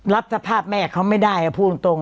รับสภาพแม่เขาไม่ได้พูดตรง